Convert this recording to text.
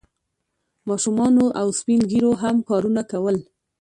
ماشومانو او سپین ږیرو هم کارونه کول.